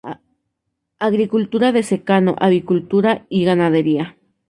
Agricultura de secano, avicultura y ganadería.